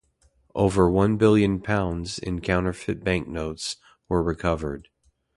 Over one billion pounds in counterfeit banknotes were recovered.